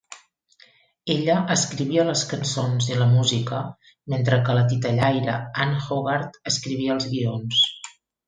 Ella escrivia les cançons i la música, mentre que la titellaire Ann Hogarth escrivia els guions.